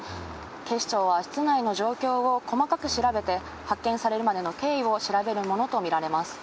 警視庁は室内の状況を細かく調べて、発見されるまでの経緯を調べるものと見られます。